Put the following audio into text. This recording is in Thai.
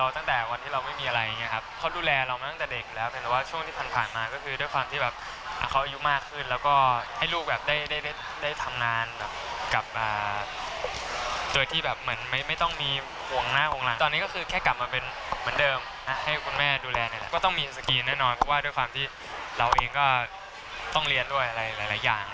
ต้องเรียนด้วยอะไรหลายอย่าง